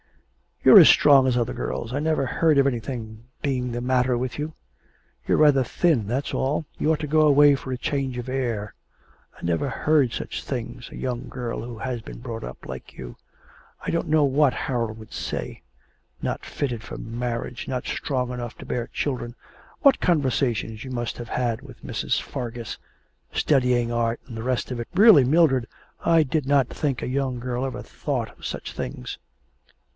'You're as strong as other girls. I never heard of anything being the matter with you. You're rather thin, that's all. You ought to go away for a change of air. I never heard such things; a young girl who has been brought up like you. I don't know what Harold would say not fitted for marriage; not strong enough to bear children. What conversations you must have had with Mrs. Fargus; studying art, and the rest of it. Really, Mildred, I did not think a young girl ever thought of such things.'